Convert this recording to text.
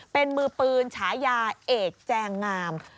เป็นมือปืนฉายาเอกแจงงาม